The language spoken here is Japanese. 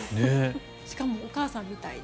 しかもお母さんみたいに。